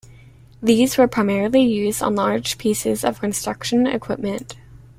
These were primarily used on large pieces of construction equipment.